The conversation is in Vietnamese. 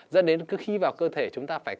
dẫn đến khi vào cơ thể chúng ta phải